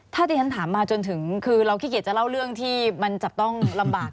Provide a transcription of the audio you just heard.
ถ้าที่ฉันถามมาจนถึงคือเราขี้เกียจจะเล่าเรื่องที่มันจับต้องลำบาก